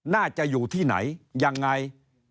น่าจะอยู่ที่ไหนยังไง